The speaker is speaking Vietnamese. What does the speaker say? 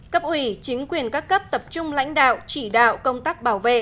cấp ủy chính quyền các cấp tập trung lãnh đạo chỉ đạo công tác bảo vệ